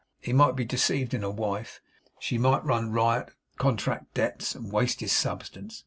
He might be deceived in a wife. She might run riot, contract debts, and waste his substance.